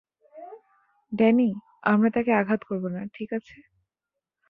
Danny, আমরা তাকে আঘাত করবো না, ঠিক আছে?